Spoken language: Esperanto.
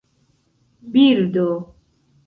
birdo